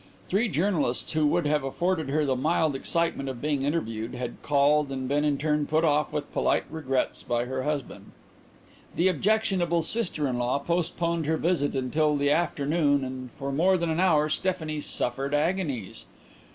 Three journalists who would have afforded her the mild excitement of being interviewed had called and been in turn put off with polite regrets by her husband. The objectionable sister in law postponed her visit until the afternoon and for more than an hour Stephanie "suffered agonies."